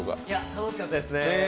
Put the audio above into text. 楽しかったですね。